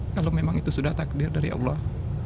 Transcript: kalau memang itu sudah takdir dari allah